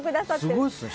すごいですね。